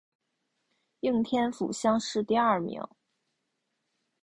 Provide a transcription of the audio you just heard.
应天府乡试第二名。